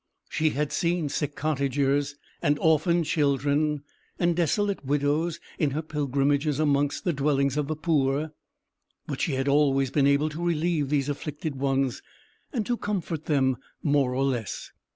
She had seen sick cottagers, and orphan children, and desolate widows, in her pilgrimages amongst the dwellings of the poor: but she had always been able to relieve these afflicted ones, and to comfort them more or less.